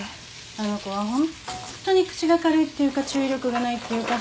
あの子はホンットに口が軽いっていうか注意力がないっていうか。